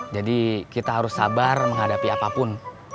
jadi kita harus sabar menghadapi apapun